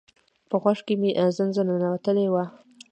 په غوږ کی می زنځه ننوتلی وه